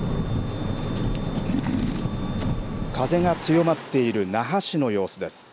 風が強まっている那覇市の様子です。